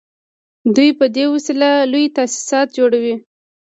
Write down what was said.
دوی په دې وسیله لوی تاسیسات جوړوي